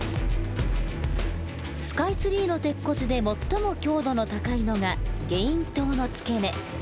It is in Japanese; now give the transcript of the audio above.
スカイツリーの鉄骨で最も強度の高いのがゲイン塔の付け根。